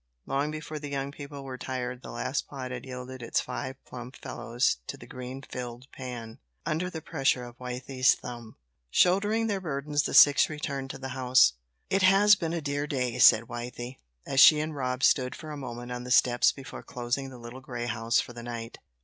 Long before the young people were tired the last pod had yielded its five plump fellows to the green filled pan, under the pressure of Wythie's thumb. Shouldering their burdens the six returned to the house. "It has been a dear day," said Wythie, as she and Rob stood for a moment on the steps before closing the little grey house for the night.